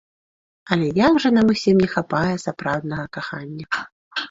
Але як жа нам усім не хапае сапраўднага кахання!